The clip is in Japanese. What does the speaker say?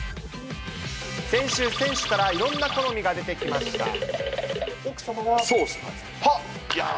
先週、選手からいろんな好みが出てきました。